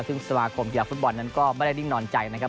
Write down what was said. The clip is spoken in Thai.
ซึ่งสมาคมกีฬาฟุตบอลนั้นก็ไม่ได้นิ่งนอนใจนะครับ